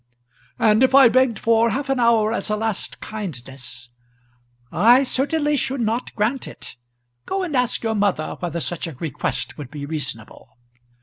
"And if I begged for half an hour as a last kindness " "I certainly should not grant it. Go and ask your mother whether such a request would be reasonable."